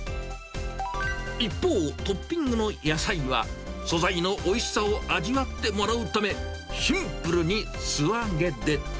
一方、トッピングの野菜は、素材のおいしさを味わってもらうため、シンプルに素揚げで。